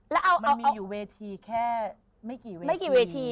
มันมีอยู่เวทีแค่ไม่กี่เวที